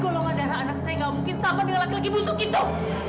golongan darah anak saya gak mungkin sama dengan laki laki butuh itu